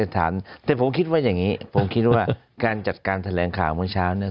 แต่ผมคิดว่าอย่างนี้ผมคิดว่าการจัดการแถลงข่าวเมื่อเช้าเนี่ย